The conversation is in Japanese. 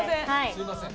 すいません。